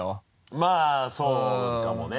まぁそうかもね。